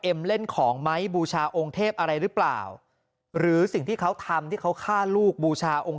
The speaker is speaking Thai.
เอ็มเล่นของไหมบูชาองเทพอะไรหรือเปล่า